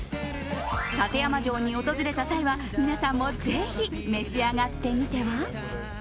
館山城に訪れた際は皆さんもぜひいただいてみては？